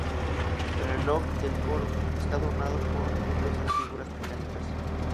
El reloj del coro está adornado con curiosas figuras mecánicas.